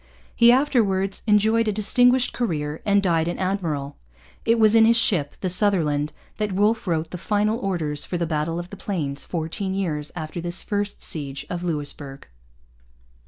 He afterwards enjoyed a distinguished career and died an admiral. It was in his ship, the Sutherland, that Wolfe wrote the final orders for the Battle of the Plains fourteen years after this first siege of Louisbourg.